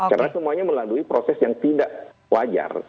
karena semuanya melalui proses yang tidak wajar